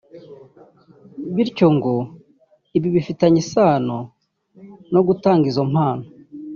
bityo ngo ibi bifitanye isano no gutanga izo mpano